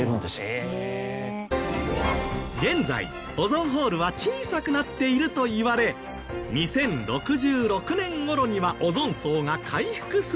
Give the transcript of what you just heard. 現在オゾンホールは小さくなっているといわれ２０６６年頃にはオゾン層が回復する見込みとの予測も。